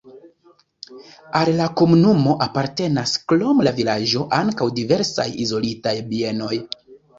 Al la komunumo apartenas krom la vilaĝo ankaŭ diversaj izolitaj bienoj.